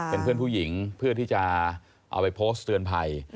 เป็นเพื่อนผู้หญิงเพื่อที่จะเอาไปโพสต์เตือนภัย